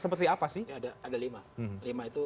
seperti apa sih ada lima lima itu